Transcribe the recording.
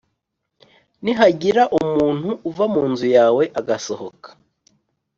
Nihagira umuntu uva mu nzu yawe agasohoka